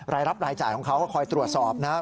รายรับรายจ่ายของเขาก็คอยตรวจสอบนะครับ